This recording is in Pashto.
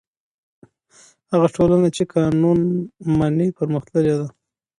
هغه ټولنه چې قانون مني پرمختللې ده.